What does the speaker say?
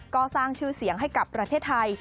ก็สร้างชื่อเสียงให้กับประเทศไทย